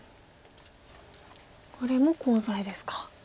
これもコウ材ですか。